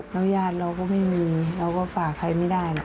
แล้วญาติเราก็ไม่มีเราก็ฝากใครไม่ได้หรอก